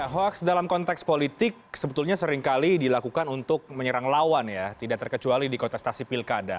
hoax dalam konteks politik sebetulnya seringkali dilakukan untuk menyerang lawan ya tidak terkecuali di kontestasi pilkada